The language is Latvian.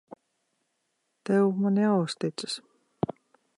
Tev man jāuzticas.